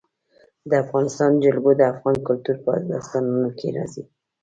د افغانستان جلکو د افغان کلتور په داستانونو کې راځي.